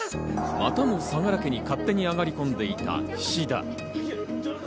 またも相良家に勝手に上がり込んでいた菱田。